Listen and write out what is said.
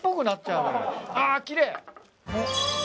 あぁきれい！